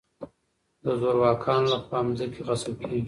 د زورواکانو له خوا ځمکې غصب کېږي.